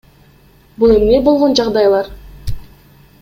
Бул эмне болгон жагдайлар?